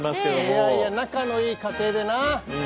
いやいや仲のいい家庭でな。